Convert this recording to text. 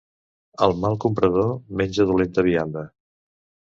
El mal comprador menja dolenta vianda.